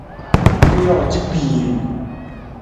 Pijoo ca piin.